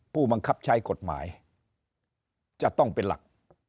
ผู้บังคับใช้กฎหมายจะต้องเป็นหลัก